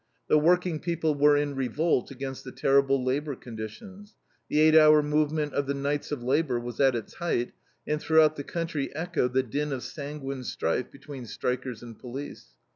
The working people were in revolt against the terrible labor conditions; the eight hour movement of the Knights of Labor was at its height, and throughout the country echoed the din of sanguine strife between strikers and police.